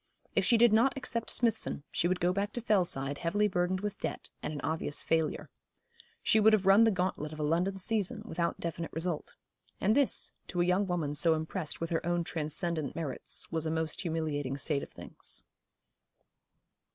If she did not accept Smithson, she would go back to Fellside heavily burdened with debt, and an obvious failure. She would have run the gauntlet of a London season without definite result; and this, to a young woman so impressed with her own transcendent merits, was a most humiliating state of things.